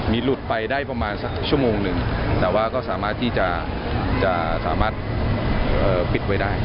มีหลุดไปได้ประมาณสักชั่วโมงหนึ่งแต่ว่าก็สามารถที่จะสามารถปิดไว้ได้